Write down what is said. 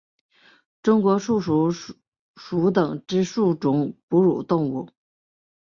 中南树鼠属等之数种哺乳动物。